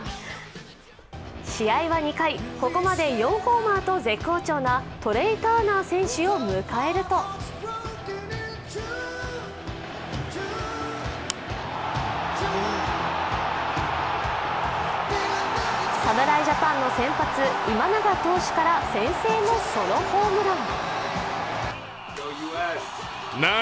試合は２回、ここまで４ホーマーと絶好調なトレイ・ターナー選手を迎えると侍ジャパンの先発、今永選手から先制のソロホームラン。